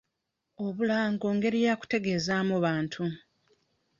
Obulango ngeri yakutegeezamu bantu.